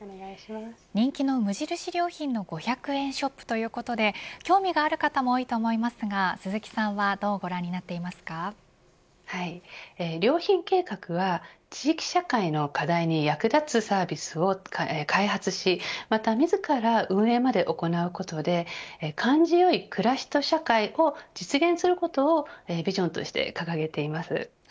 人気の無印良品の５００円ショップということで興味がある方も多いと思いますが鈴木さんは良品計画は地域社会の課題に役立つサービスを開発し、また自ら運営まで行うことで感じよい暮らしと社会を実現することをビジョンとして掲げています。